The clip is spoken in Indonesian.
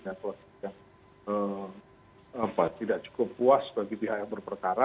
dan proses yang tidak cukup puas bagi pihak yang berperkara